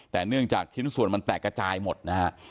แต่เนื่องจากชิ้นส่วนมันแตกกระจายหมดนะฮะ